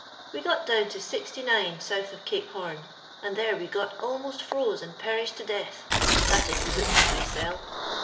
We got down to (W soutli of Cape Horn ; and there we got almost froze and perished to death. That is the book what I sell."